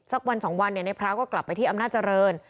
สักวันสองวันเนี่ยในพร้าวก็กลับไปที่อำนาจเจริญ